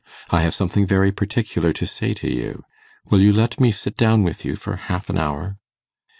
I have something very particular to say to you. Will you let me sit down with you for half an hour?